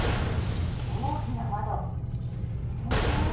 大きな窓気持ちいい！